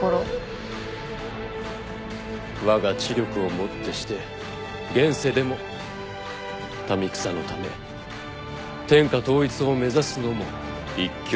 わが知力をもってして現世でも民草のため天下統一を目指すのも一興かと。